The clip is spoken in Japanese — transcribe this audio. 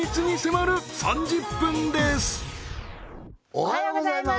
おはようございます！